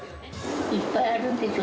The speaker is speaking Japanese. いっぱいあるんでしょ？